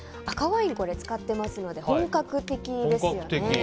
赤ワイン使ってますので本格的ですよね。